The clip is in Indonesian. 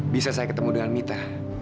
bisa saya ketemu dengan mita